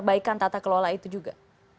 apa yang akan tata kelola itu juga